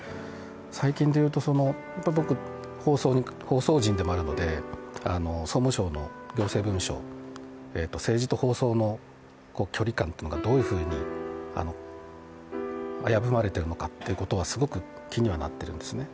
最近で言うと、僕、放送人でもあるので総務省の行政文書、政治と放送の距離感っていうのがどういうふうに危ぶまれているのかということがすごく気にはなっているんですね。